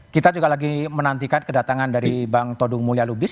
kita juga lagi menantikan kedatangan dari bang todung mulya lubis